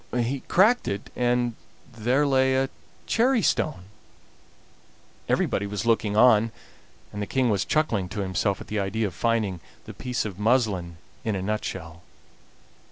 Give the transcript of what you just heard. He cracked it, and there lay a cherry stone. Everybody was looking on, and the King was chuckling to himself at the idea of finding the piece of muslin in a nutshell.